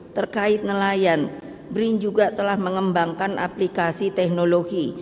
terkait nelayan brin juga telah mengembangkan aplikasi teknologi